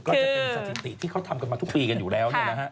ก็จะเป็นสถิติที่เขาทำกันมาทุกปีกันอยู่แล้ว